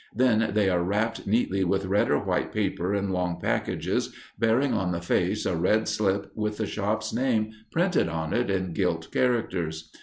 Then they are wrapped neatly with red or white paper in long packages bearing on the face a red slip with the shop's name printed on it in gilt characters.